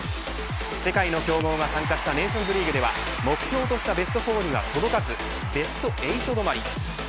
世界の強豪が参加したネーションズリーグでは目標としたベスト４には届かずベスト８止まり。